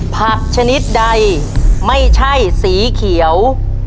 ผักชนิดใดไม่ใช่สีเขียว